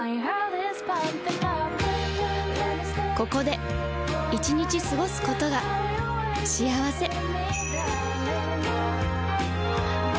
ここで１日過ごすことが幸せ